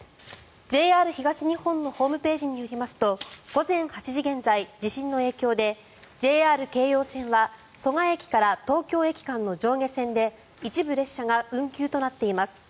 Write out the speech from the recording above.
ＪＲ東日本のホームページによりますと午前８時現在、地震の影響でＪＲ京葉線は蘇我駅から東京駅間の上下線で一部列車が運休となっています。